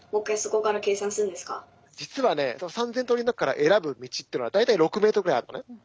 実はね３，０００通りの中から選ぶ道というのは大体６ｍぐらいあるのね。